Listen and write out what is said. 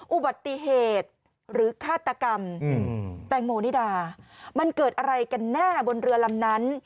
อุบัติเหตุหรือฆาตกรรมแตงโมนิดามันเกิดอะไรกันแน่บนเรือลำนั้น